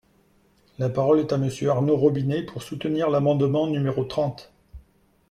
La parole est à Monsieur Arnaud Robinet, pour soutenir l’amendement numéro trente.